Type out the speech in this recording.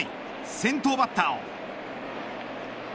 先頭バッターを。